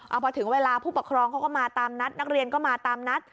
เอาพอถึงเวลาผู้ปกครองเขาก็มาตามนัดนักเรียนก็มาตามนัด